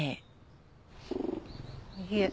いえ